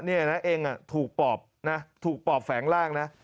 นี่นะเองถูกปอบนะถูกปอบแฝงร่างนะ